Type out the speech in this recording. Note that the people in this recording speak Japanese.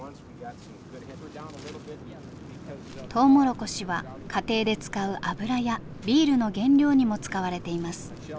トウモロコシは家庭で使う油やビールの原料にも使われています。